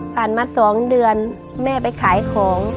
ฝันมา๒เดือนเมฆไปขายของ